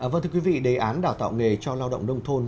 vâng thưa quý vị đề án đào tạo nghề cho lao động nông thôn